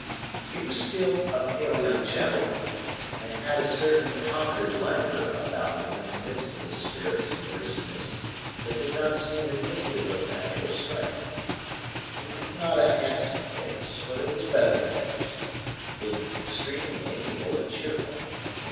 He was still a pale young gentleman, and had a certain conquered languor about him in the midst of his spirits and briskness, that did not seem indicative of natural strength. He had not a handsome face, but it was better than handsome: being extremely amiable and cheerful.